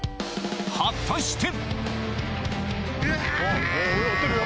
果たして。